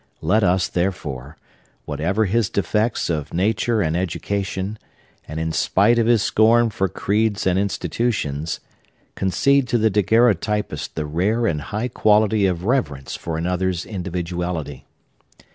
Let us, therefore,—whatever his defects of nature and education, and in spite of his scorn for creeds and institutions,—concede to the daguerreotypist the rare and high quality of reverence for another's individuality.